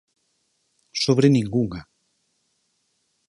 ¡Sobre ningunha!